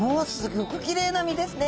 ギョくきれいな身ですね。